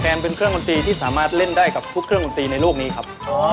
เป็นเครื่องดนตรีที่สามารถเล่นได้กับทุกเครื่องดนตรีในโลกนี้ครับ